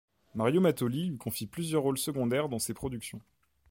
Mario Mattoli lui confie plusieurs rôles secondaires dans ces productions.